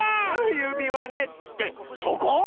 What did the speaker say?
ゆびわねってそこ！？